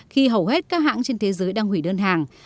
khi hầu hết các hãng trên thế giới đang hủy đơn hàng